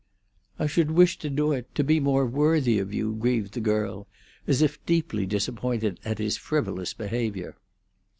"I should wish to do it to—to be more worthy of you," grieved the girl, as if deeply disappointed at his frivolous behaviour.